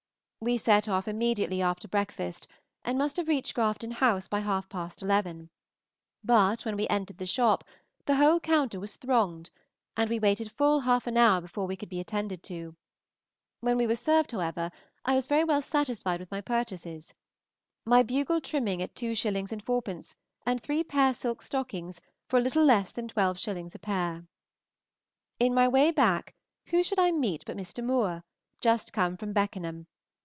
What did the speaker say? We set off immediately after breakfast, and must have reached Grafton House by half past eleven; but when we entered the shop the whole counter was thronged, and we waited full half an hour before we could be attended to. When we were served, however, I was very well satisfied with my purchases, my bugle trimming at 2_s._ 4_d._ and three pair silk stockings for a little less than 12_s._ a pair. In my way back who should I meet but Mr. Moore, just come from Beckenham.